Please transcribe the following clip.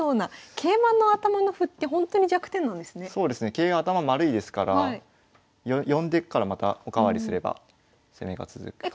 桂は頭丸いですから呼んでからまたお代わりすれば攻めが続く形になります。